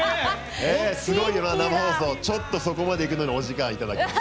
すごいね、生放送ちょっとそこまで行くのにお時間いただきます。